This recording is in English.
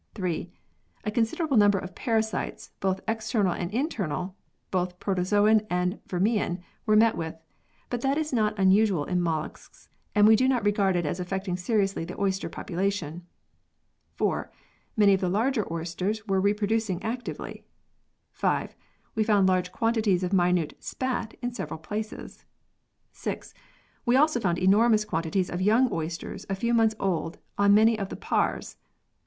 3. A considerable number of parasites, both external and internal, both Protozoan and Vermean, were met with, but that is not unusual in molluscs, and we do not regard it as affecting seriously the oyster population. 4. Many of the larger oysters were reproducing actively. 5. We found large quantities of minute "spat" in several places. 6. We also found enormous quantities of young oysters a few months old on many of the Paars.